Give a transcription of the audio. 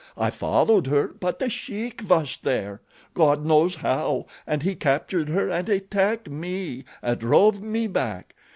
I followed her, but The Sheik was there, God knows how, and he captured her and attacked me and drove me back.